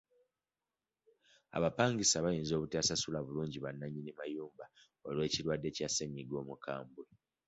Abapangisa bayinza obutasasula bulungi ba nannyini mayumba olw'ekirwadde kya ssennyiga omukambwe.